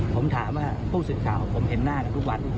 ผมถามว่าผู้สื่อข่าวผมเห็นหน้ากันทุกวัน